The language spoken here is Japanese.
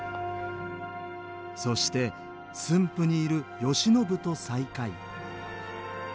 そして駿府にいる慶喜と再会。